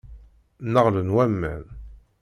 Nneɣlen waman.